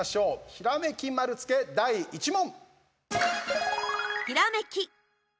ひらめき丸つけ、第１問！